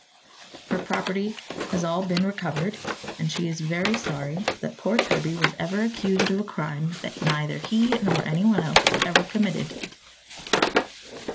Her property has all been recovered and she is very sorry that poor Toby was ever accused of a crime that neither he nor anyone else ever committed."